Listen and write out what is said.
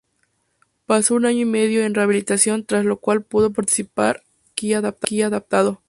Pasó un año y medio en rehabilitación, tras lo cual pudo practicar esquí adaptado.